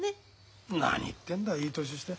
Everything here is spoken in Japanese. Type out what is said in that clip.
何言ってんだいい年して。